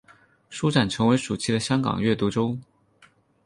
书展成为暑期的香港阅读周。